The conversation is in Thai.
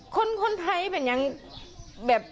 คนไทยเป็นอย่างแบบ